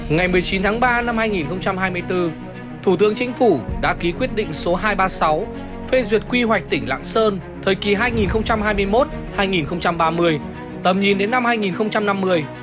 ngày một mươi chín tháng ba năm hai nghìn hai mươi bốn thủ tướng chính phủ đã ký quyết định số hai trăm ba mươi sáu phê duyệt quy hoạch tỉnh lạng sơn thời kỳ hai nghìn hai mươi một hai nghìn ba mươi tầm nhìn đến năm hai nghìn năm mươi